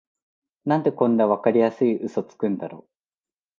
なんでこんなわかりやすいウソつくんだろ